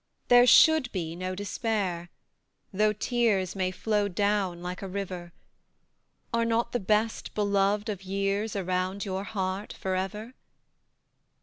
There should be no despair though tears May flow down like a river: Are not the best beloved of years Around your heart for ever?